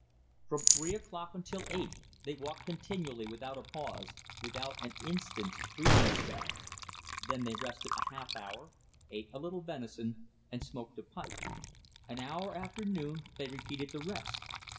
From three o'clock until eight they walked continually without a pause, without an instant's breathing spell. Then they rested a half hour, ate a little venison, and smoked a pipe. An hour after noon they repeated the rest.